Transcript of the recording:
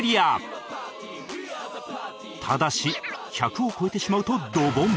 ただし１００を超えてしまうとドボン